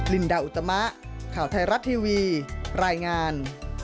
ลินดาอุตมะข่าวไทยรัฐทีวีรายงาน